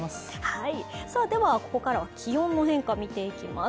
では、ここからは気温の変化見ていきます。